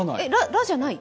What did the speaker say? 「ら」じゃない？